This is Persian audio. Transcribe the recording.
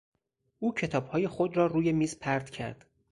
او کتابهای خود را روی میز پرت کرد.